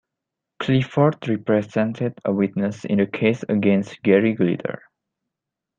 Clifford represented a witness in the case against Gary Glitter.